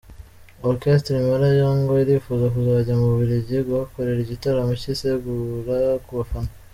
Orchestre Impala yo ngo irifuza kuzajya mu Bubiligi kuhakorera igitaramo cyisegura ku bafana.